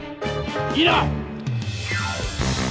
いいな！